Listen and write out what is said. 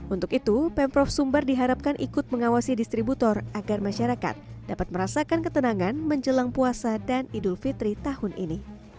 untuk itu pemprov sumbar diharapkan ikut mengawasi distributor agar masyarakat dapat merasakan ketenangan menjelang puasa dan idul fitri tahun ini